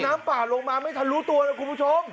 น้ำป่าลงมาไม่ทันรู้ตัวนะคุณผู้ชม